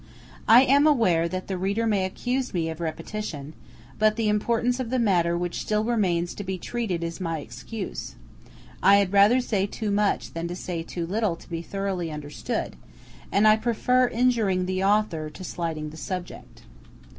I am aware that the reader may accuse me of repetition, but the importance of the matter which still remains to be treated is my excuse; I had rather say too much, than say too little to be thoroughly understood, and I prefer injuring the author to slighting the subject.